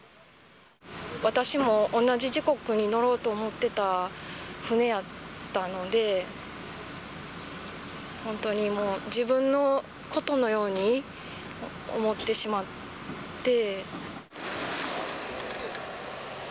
私も同じ時刻に乗ろうと思ってた船やったので、本当に、もう自分のことのように思ってしまって。